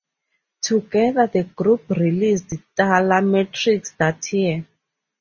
Together, the group released "Tala Matrix" that year.